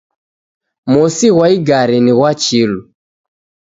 Mosi ghwa igari ni ghwa chilu.